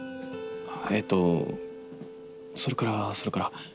ええとそれからそれから。